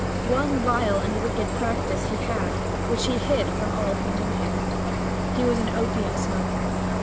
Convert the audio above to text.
One vile and wicked practice he had which he had hidden from all who knew him. He was an opium smoker.